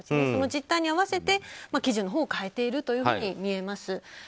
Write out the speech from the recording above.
その実態に合わせて基準のほうを変えているように見えます。